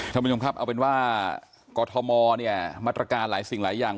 ท่านผู้ชมครับเอาเป็นว่ากรทมเนี่ยมาตรการหลายสิ่งหลายอย่าง